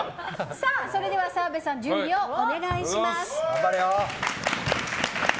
それでは澤部さん準備をお願いします。